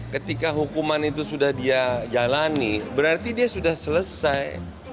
ketika hukuman itu sudah dia jalani berarti dia sudah selesai